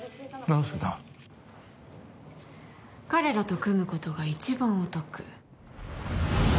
なぜだ彼らと組むことが一番お得